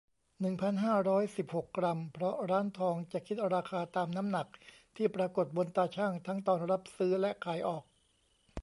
หนึ่งพันห้าร้อยสิบหก กรัม เพราะร้านทองจะคิดราคาตามน้ำหนักที่ปรากฏบนตาชั่งทั้งตอนรับซื้อและขายออก